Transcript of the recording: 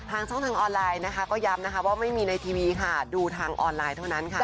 ช่องทางออนไลน์นะคะก็ย้ำนะคะว่าไม่มีในทีวีค่ะดูทางออนไลน์เท่านั้นค่ะ